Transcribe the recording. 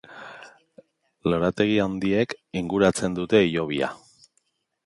Lorategi handiek inguratzen dute hilobia.